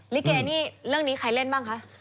ลิเกนี่เรื่องนี้ใครเล่นบ้างคะ